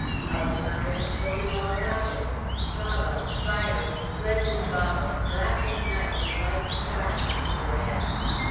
Alessandro had told him all about it, Baba, fiery, splendid Baba, black as night, with a white star in his forehead.